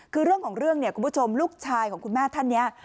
คือเรื่องของเรื่องเนี่ยคุณผู้ชมลูกชายของคุณแม่ท่านนี้